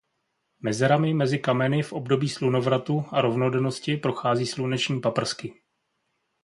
Mezerami mezi kameny v období slunovratu a rovnodennosti prochází sluneční paprsky.